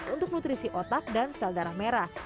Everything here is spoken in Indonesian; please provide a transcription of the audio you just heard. untuk nutrisi otak dan sel darah merah